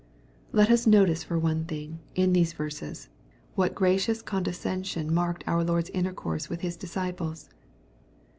Let us notice, for one thing, in these verses, what gracious condescension marked our Lord's intercourse with His disciples.